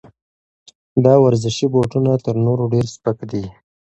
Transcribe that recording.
دا ورزشي بوټونه تر نورو ډېر سپک دي.